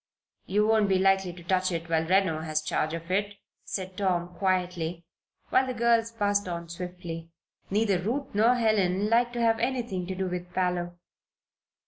"You won't be likely to touch it while Reno has charge of it," said Tom, quietly, while the girls passed on swiftly. Neither Ruth nor Helen liked to have anything to do with Parloe.